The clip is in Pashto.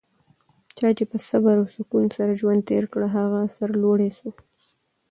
چا چي په صبر او سکون سره ژوند تېر کړ؛ هغه سرلوړی سو.